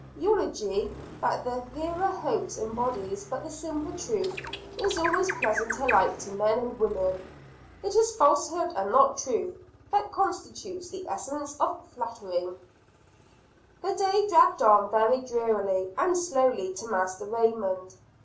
Eulogy that the hearer hopes embodies but the simple truth, is always pleasant alike to men and women. It is falsehood, and not truth, that constitutes the essence of Flattery. The day dragged on very drearily and slowly to Master Raymond.